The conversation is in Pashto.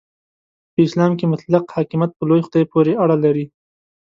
په اسلام کې مطلق حاکمیت په لوی خدای پورې اړه لري.